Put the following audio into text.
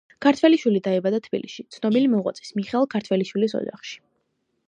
ქართველიშვილი დაიბადა თბილისში, ცნობილი მოღვაწის მიხეილ ქართველიშვილის ოჯახში.